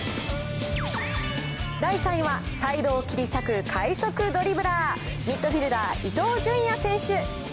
第３位は、サイドを切り裂く快足ドリブラー、ミッドフィールダー、伊東純也選手。